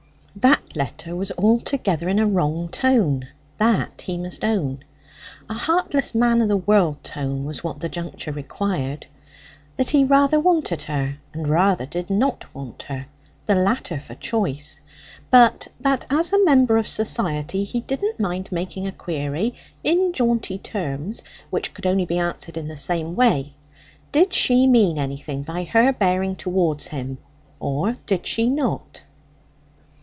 That letter was altogether in a wrong tone that he must own. A heartless man of the world tone was what the juncture required. That he rather wanted her, and rather did not want her the latter for choice; but that as a member of society he didn't mind making a query in jaunty terms, which could only be answered in the same way: did she mean anything by her bearing towards him, or did she not?